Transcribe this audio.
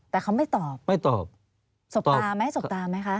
แต่เขาไม่ตอบสบตาไหมคะไม่ตอบ